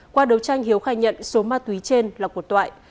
qua đấu tranh hiếu khai nhận số ma túy trên là của toại